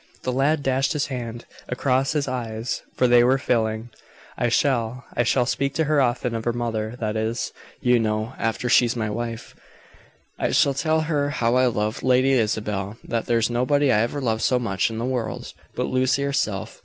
The lad dashed his hand across his eyes for they were filling. "I shall. I shall speak to her often of her mother that is, you know, after she's my wife. I shall tell her how I loved Lady Isabel that there's nobody I ever loved so much in the world, but Lucy herself.